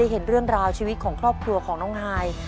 เห็นเรื่องราวชีวิตของครอบครัวของน้องฮาย